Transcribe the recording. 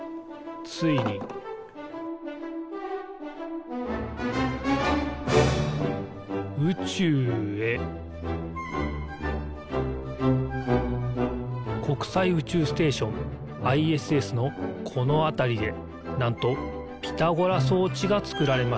ついに宇宙へ国際宇宙ステーションＩＳＳのこのあたりでなんとピタゴラそうちがつくられました。